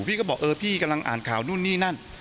พี่ก็บอกเออพี่กำลังอ่านข่าวนู่นนี่นั่น